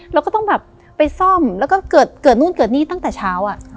เราก็ต้องแบบไปซ่อมแล้วก็เกิดนู่นเกิดนี่ตั้งแต่เช้า